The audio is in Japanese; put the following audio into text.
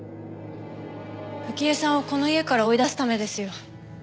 冨貴江さんをこの家から追い出すためですよ。